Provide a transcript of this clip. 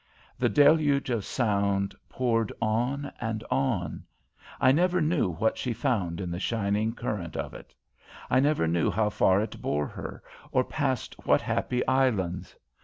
The deluge of sound poured on and on; I never knew what she found in the shining current of it; I never knew how far it bore her, or past what happy islands.